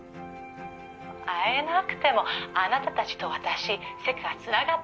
「会えなくてもあなたたちと私世界は繋がってるわ」